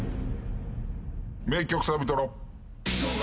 名曲サビトロ。